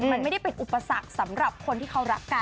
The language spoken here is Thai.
มันไม่ได้เป็นอุปสรรคสำหรับคนที่เขารักกัน